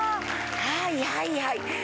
はいはいはい。